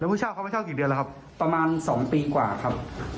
ผู้เช่าเขาไปเช่ากี่เดือนแล้วครับประมาณ๒ปีกว่าครับ